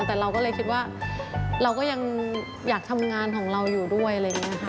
แต่เราก็เลยคิดว่าเราก็ยังอยากทำงานของเราอยู่ด้วยอะไรอย่างนี้ค่ะ